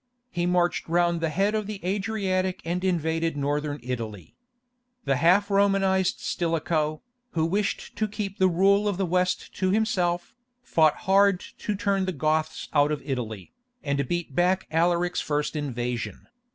He marched round the head of the Adriatic and invaded Northern Italy. The half Romanized Stilicho, who wished to keep the rule of the West to himself, fought hard to turn the Goths out of Italy, and beat back Alaric's first invasion.